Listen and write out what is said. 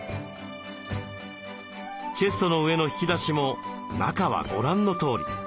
チェストの上の引き出しも中はご覧のとおり。